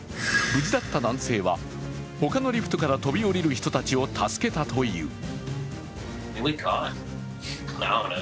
無事だった男性は他のリフトから飛び降りる人たちを助けたという。